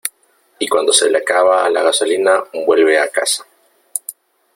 y cuando se le acaba la gasolina , vuelve a casa .